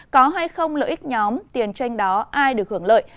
có hay không lợi ích nhóm tiền tranh đó ai được hưởng lợi